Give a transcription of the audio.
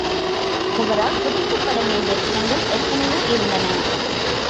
அவரால் புதைக்கப்பட வேண்டிய பிணங்கள் எத்தனையோ இருந்தன.